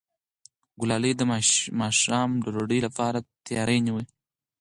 ګلالۍ د ماښام د ډوډۍ لپاره تیاری نیوه.